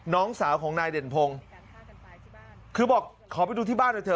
น้องสาวของนายเด่นพงศ์คือบอกขอไปดูที่บ้านหน่อยเถ